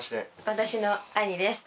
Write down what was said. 私の兄です。